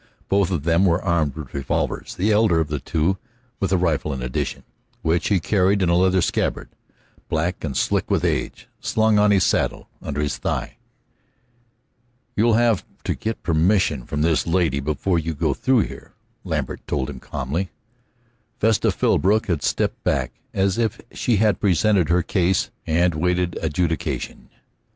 Both of them were armed with revolvers, the elder of the two with a rifle in addition, which he carried in a leather scabbard black and slick with age, slung on his saddle under his thigh. "You'll have to get permission from this lady before you go through here," Lambert told him calmly. Vesta Philbrook had stepped back, as if she had presented her case and waited adjudication.